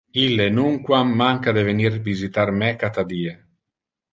Ille nunquam manca de venir visitar me cata die.